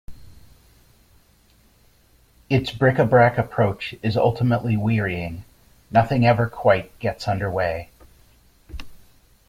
Its bric-a-brac approach is ultimately wearying: nothing ever quite gets under way.